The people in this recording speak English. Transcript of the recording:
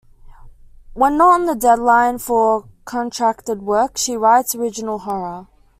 When not on deadline for contracted work, she writes original horror.